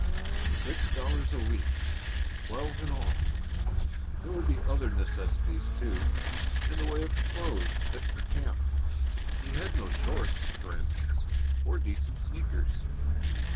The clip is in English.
Six dollars a week twelve in all! There would be other necessities, too, in the way of clothes fit for camp. He had no shorts, for instance, or decent sneakers.